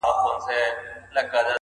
د زمان بلال به کله، کله ږغ کي؛